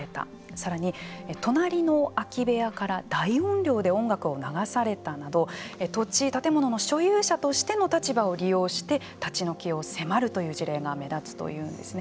さらに、隣の空き部屋から大音量で音楽を流されたなど土地建物の所有者として立場を利用して立ち退きを迫るという事例が目立つというんですね。